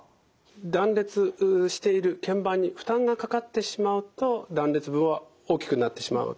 断裂しているけん板に負担がかかってしまうと断裂部は大きくなってしまうわけです。